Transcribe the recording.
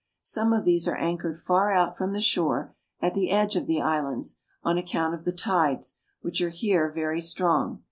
Some of these are anchored far out from the shore, at the edge of the islands, on account of the tides, which are here very strong.